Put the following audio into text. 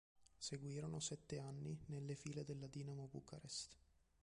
Seguirono sette anni nelle file della Dinamo Bucarest.